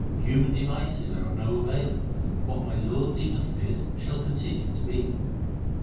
Human devices are of no avail : What my Lord deemeth fit shall continue to be.